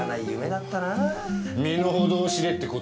身のほどを知れって事だ。